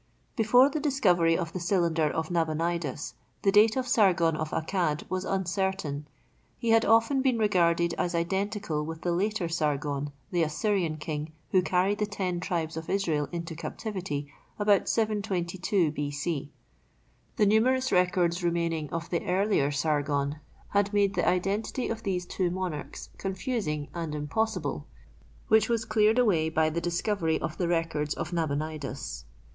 Before the discovery of the cylinder of Nabonidus the date of Sargon of Accad was uncertain. He had often been regarded as identical with the later Sargon, the Assyrian king who carried the Ten Tribes of Israel into captivity about 722 B. C. The numerous records remaining of the earlier Sargon had made the identity of these two monarchs confusing and impossible, which was cleared away by the discovery of the records of Nabonidus.